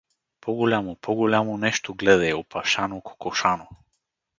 … По-голямо, по-голямо нещо гледай, Опашано-кокошано!